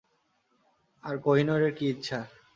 আর কোহিনূরের কি ইচ্ছা?